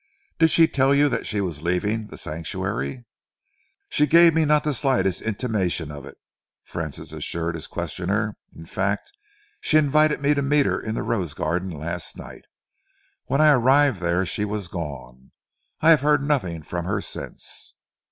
"Did she tell you that she was leaving The Sanctuary?" "She gave me not the slightest intimation of it," Francis assured his questioner, "in fact she invited me to meet her in the rose garden last night. When I arrived there, she was gone. I have heard nothing from her since."